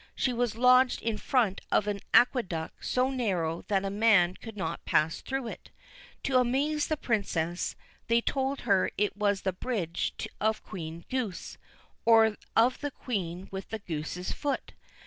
She was lodged in front of an aqueduct so narrow that a man could not pass through it. To amuse the Princess, they told her it was the bridge of Queen Goose, or of the queen with the goose's foot.